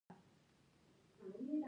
هغې وویل محبت یې د مینه په څېر ژور دی.